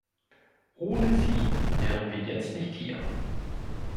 Ohne Sie wären wir jetzt nicht hier.